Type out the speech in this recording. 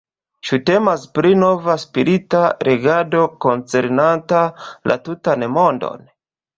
Ĉu temas pri nova spirita regado koncernanta la tutan mondon?